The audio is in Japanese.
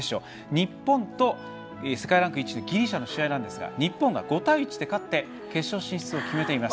日本と世界ランキング１位のギリシャの試合ですが日本が５対１で勝って決勝進出を決めています。